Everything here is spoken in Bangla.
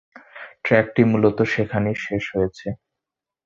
ট্র্যাকটি মূলত সেখানেই শেষ হয়েছে।